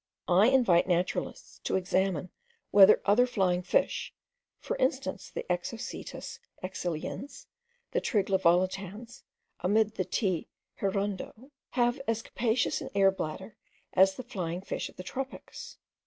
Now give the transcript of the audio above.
I invite naturalists to examine whether other flying fish, for instance the Exocoetus exiliens, the Trigla volitans, amid the T. hirundo, have as capacious an air bladder as the flying fish of the tropics.